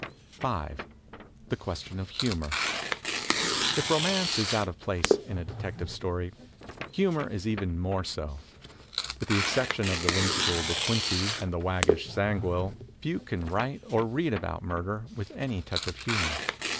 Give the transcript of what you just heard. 5. The Question of Humor If romance is out of place in a detective story, hiunor is even more so. With the exception of the whimsical De Quincey and the waggish Zangwill, few can write or read about murder with any touch of humor.